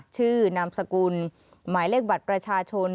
นามสกุลหมายเลขบัตรประชาชน